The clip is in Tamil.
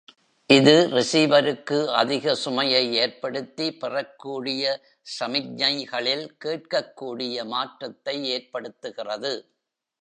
இது ரிசீவருக்கு அதிக சுமையை ஏற்படுத்தி, பெறக்கூடிய சமிஞ்யைகளில் கேட்டக்கூடிய மாற்றத்தை ஏற்படுத்துகிறது.